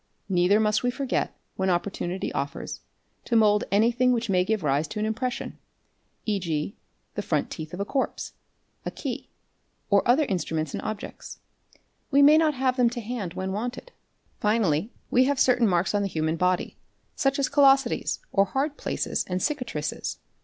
Neither must we forget, when opportunity offers, to mould anything which may give rise to an impression, é¢.g., the front teeth of a corpse, a ~ key, or other instruments and objects; we may not have them to hand | when wanted. 3 Fig. 102. Finally we have certain marks on the human body such as callosities or : hard places and cicatrices.